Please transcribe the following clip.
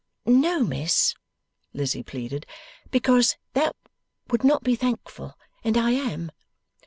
'No, Miss,' Lizzie pleaded; 'because that would not be thankful, and I am.